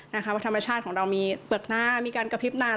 ว่าธรรมชาติของเรามีเปลือกหน้ามีการกระพริบหน้า